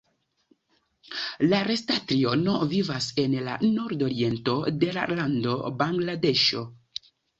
La resta triono vivas en la nordoriento de la lando Bangladeŝo.